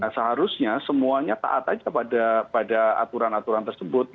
seharusnya semuanya taat aja pada aturan aturan tersebut